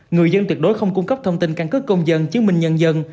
người dân tuyệt đối không cung cấp thông tin căn cứ công dân chứng minh nhân dân